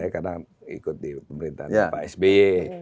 karena ikut di pemerintahan pak sby